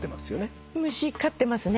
虫飼ってますね。